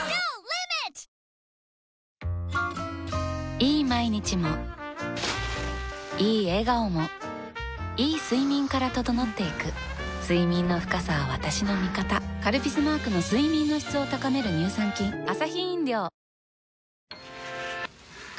いい毎日もいい笑顔もいい睡眠から整っていく睡眠の深さは私の味方「カルピス」マークの睡眠の質を高める乳酸菌あっ！